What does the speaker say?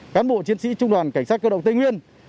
cán bộ chiến sĩ trung đoàn cảnh sát cơ động tây nguyên